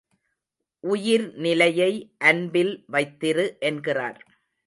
உயிர்நிலையை அன்பில் வைத்திரு என்கிறார்.